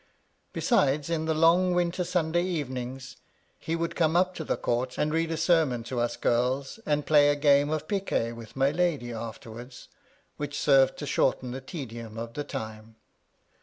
Besides, in the long winter Sunday evenings, he would come up to the Court, and read a sermon to us girls, and play a game of picquet with my lady after wards ; which served to shorten the tedium of the time.